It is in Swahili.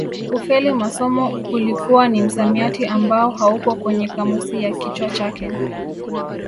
Kufeli masomo ulikuwa ni msamiati ambao haupo kwenye kamusi ya kichwa chake